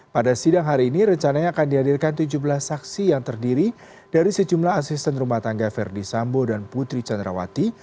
pada sidang hari ini rencananya akan dihadirkan tujuh belas saksi yang terdiri dari sejumlah asisten rumah tangga verdi sambo dan putri candrawati